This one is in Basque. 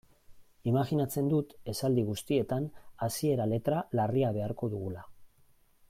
Imajinatzen dut esaldi guztietan hasieran letra larria beharko dugula.